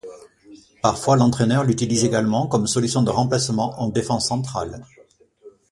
Parfois l'entraîneur l'utilise également comme solution de remplacement en défense centrale.